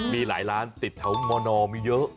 มีหลายร้านติดท้องมอดอมเยอะ